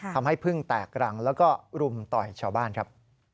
พึ่งแตกรังแล้วก็รุมต่อยชาวบ้านครับ